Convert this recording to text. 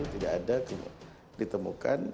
tidak ada ditemukan